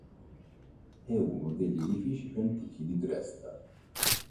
È uno degli edifici più antichi di Dresda.